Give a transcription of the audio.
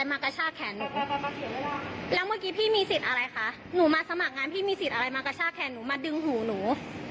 มาระชากแขนหนูมาดึงหูหนู